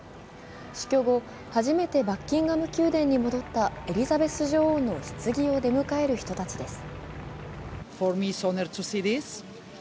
死去後、初めてバッキンガム宮殿に戻ったエリザベス女王のひつぎを出迎える人たちです。